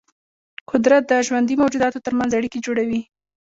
قدرت د ژوندي موجوداتو ترمنځ اړیکې جوړوي.